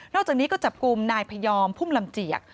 อกจากนี้ก็จับกลุ่มนายพยอมพุ่มลำเจียก